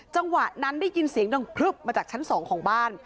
จังหวะนั้นได้ยินเสียงดังพลึบมาจากชั้น๒ของบ้าน